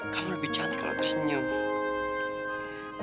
kamu lebih cantik kalau tersenyum